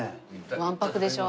わんぱくでしょ？